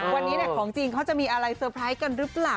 วันนี้ของจริงเขาจะมีอะไรเตอร์ไพรส์กันหรือเปล่า